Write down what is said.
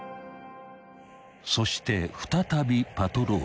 ［そして再びパトロールへ］